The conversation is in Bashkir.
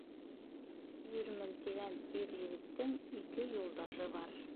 Ирмен тигән ир-егеттең ике юлдашы бар: